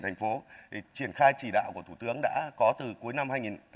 thành phố để triển khai chỉ đạo của thủ tướng đã có từ cuối năm hai nghìn một mươi tám